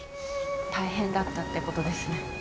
大変だったってことですね。